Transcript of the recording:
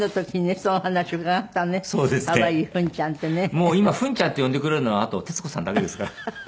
もう今フンちゃんって呼んでくれるのはあと徹子さんだけですから。